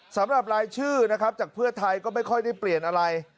สำหรับรายชื่อนะครับจากเพื่อไทยก็ไม่ค่อยได้เปลี่ยนอะไร